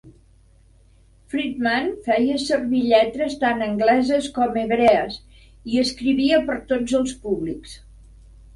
Friedman feia servir lletres tant angleses com hebrees i escrivia per tots els públics.